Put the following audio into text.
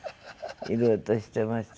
いろいろとしてました。